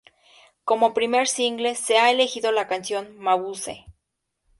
Como primer single se ha elegido la canción "Mabuse".